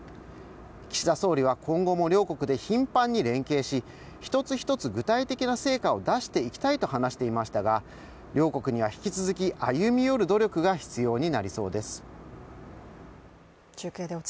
岸田総理は、今後も両国で頻繁に連携し一つ一つ具体的な成果を出していきたいと話していましたが両国には引き続き歩み寄る努力が必要になりそうです。